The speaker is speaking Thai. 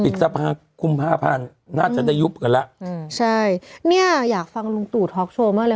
ปิดสัปดาห์คุมห้าพันธุ์น่าจะได้ยุบกันแล้วอืมใช่เนี่ยอยากฟังลุงตู่ทอล์กโชว์มากเลย